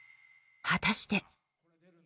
果たして。